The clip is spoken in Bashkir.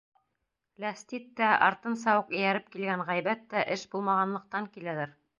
Ләстит тә, артынса уҡ эйәреп килгән ғәйбәт тә эш булмағанлыҡтан киләлер.